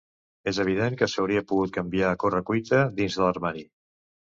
És evident que s'hauria pogut canviar a corre-cuita dins de l'armari.